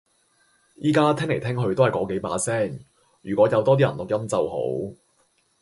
而家聽嚟聽去都係嗰幾把聲，如果有多啲人錄音就好